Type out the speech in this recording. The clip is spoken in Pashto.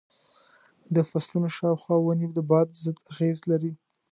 د فصلونو شاوخوا ونې د باد ضد اغېز لري.